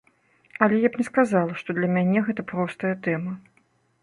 Але я б не сказала што для мяне гэта простая тэма.